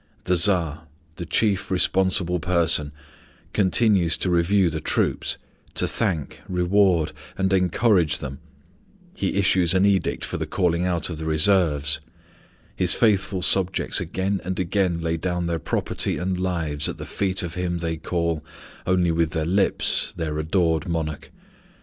The Tsar, the chief responsible person, continues to review the troops, to thank, reward, and encourage them; he issues an edict for the calling out of the reserves; his faithful subjects again and again lay down their property and lives at the feet of him they call, only with their lips, their adored Monarch.